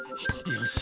よし！